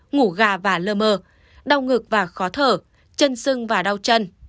ngủ gà và lơ mơ đau ngực và khó thở chân sưng và đau chân